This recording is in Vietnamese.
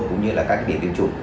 cũng như là các điểm tiêm chủ